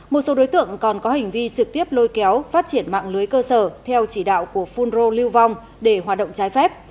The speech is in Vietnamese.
một số đối tượng còn có hành vi trực tiếp lôi kéo phát triển mạng lưới cơ sở theo chỉ đạo của phun rô lưu vong để hoạt động trái phép